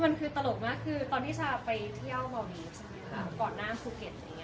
มันคือตลกมากคือตอนที่ชาไปเที่ยวเมาดีก่อนหน้าภูเก็ต